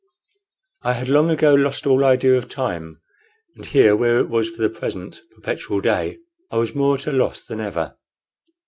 I had long ago lost all idea of time; and here, where it was for the present perpetual day, I was more at a loss than ever.